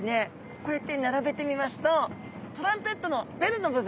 こうやって並べてみますとトランペットのベルの部分。